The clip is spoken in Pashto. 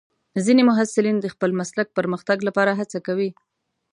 ځینې محصلین د خپل مسلک پرمختګ لپاره هڅه کوي.